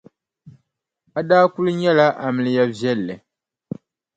A daa kuli nyɛla amiliya viɛlli.